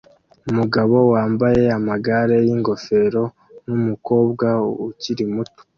Umugabo wambaye amagare yingofero numukobwa ukiri muto